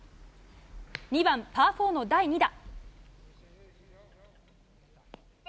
２番、パー４の第２打。